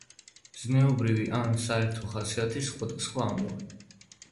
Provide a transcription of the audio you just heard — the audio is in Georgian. ზნეობრივი ან საერო ხასიათის სხვადასხვა ამბავი